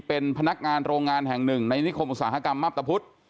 เป็นพนักงานโรงงานแห่งหนึ่งในนิคมอุตสาหกรรมมับตะพุทธ